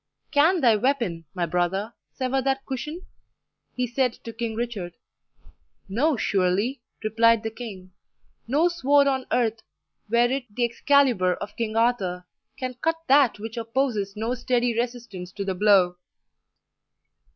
"Can thy weapon, my brother, sever that cushion?" he said to King Richard. "No, surely," replied the king; "no sword on earth, were it the Excalibur of King Arthur, can cut that which opposes no steady resistance to the blow."